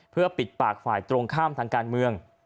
เพื่อปิดปากฝ่ายตรงข้ามทางการเมือง